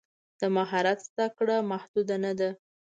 د مهارت زده کړه محدود نه ده.